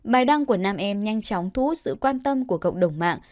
bài đăng của nam em nhanh chóng thú sự quan tâm của cộng đồng mạng